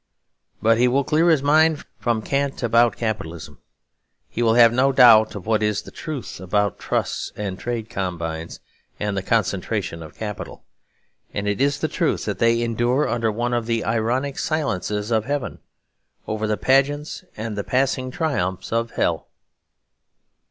But he will clear his mind from cant about capitalism; he will have no doubt of what is the truth about Trusts and Trade Combines and the concentration of capital; and it is the truth that they endure under one of the ironic silences of heaven, over the pageants and the passing triumphs of hell.